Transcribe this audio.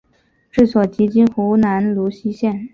治所即今湖南泸溪县。